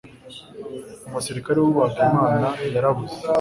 umusirikare wubahaga imana yarabuze